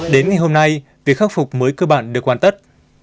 đến ngày hôm nay việc khắc phục mới cơ bản được hoàn tất